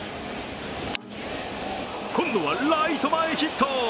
今度はライト前ヒット。